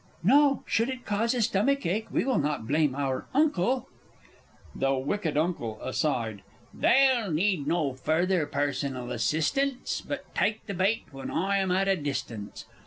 _ No, should it cause a stomach ache, we will not blame our Uncle! The W. U. (aside). They'll need no further personal assistance, But take the bait when I am at a distance.